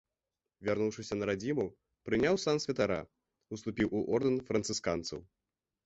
Вярнуўшыся на радзіму, прыняў сан святара, уступіў у ордэн францысканцаў.